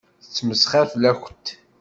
Tettmesxiṛ fell-akent.